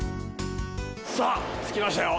さあ着きましたよ！